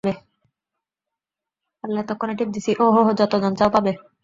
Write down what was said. ও হো হো,, যতজন চাও পাবে।